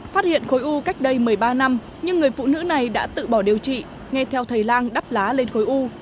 phát hiện khối u cách đây một mươi ba năm nhưng người phụ nữ này đã tự bỏ điều trị nghe theo thầy lang đắp lá lên khối u